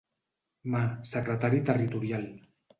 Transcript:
Mà, secretari territorial.